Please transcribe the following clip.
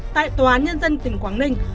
tại tòa án nhân dân tỉnh quảng ninh